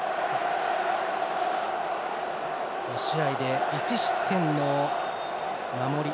５試合で１失点の守り。